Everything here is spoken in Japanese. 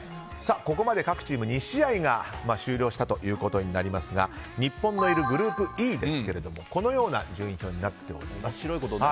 ここまで各チーム２試合が終了したということになりますが日本のいるグループＥですがこのような順位表になっています。